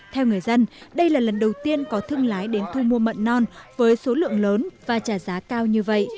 theo người dân đây là lần đầu tiên có thương lái đến thu mua mận non với số lượng lớn và trả giá cao như vậy